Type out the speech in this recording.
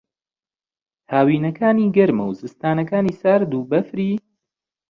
ھاوینەکانی گەرمە و زستانانەکانی سارد و بەفری